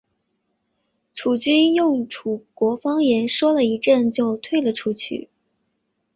楚军用楚国方言说了一阵就退了出去。